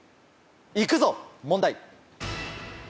行くぞ問題。